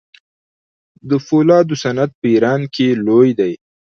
د فولادو صنعت په ایران کې لوی دی.